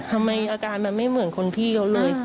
อาการมันไม่เหมือนคนพี่เขาเลย